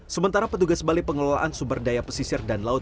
sementara petugas bali pengelolaan sumber daya pesisir dan laut